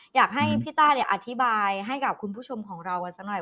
อยากให้พี่ต้าเนี่ยอธิบายให้กับคุณผู้ชมของเรากันสักหน่อย